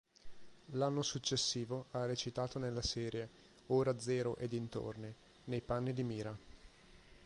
L'anno successivo ha recitato nella serie "Ora zero e dintorni" nei panni di Mira.